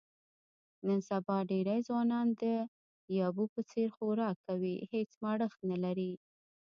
نن سبا ډېری ځوانان د یابو په څیر خوراک کوي، هېڅ مړښت نه لري.